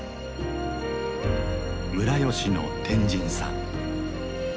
村吉の天神さん。